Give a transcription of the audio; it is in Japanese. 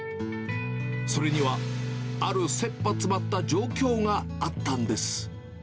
それには、あるせっぱ詰まった状況があったんです。